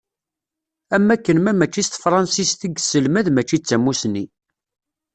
Am wakken ma mačči s tefransist i yesselmad mačči d tamussni.